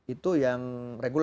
itu yang reguler